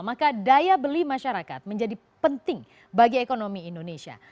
maka daya beli masyarakat menjadi penting bagi ekonomi indonesia